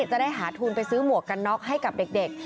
จะได้หาทุนไปซื้อหมวกกันน็อกให้กับเด็ก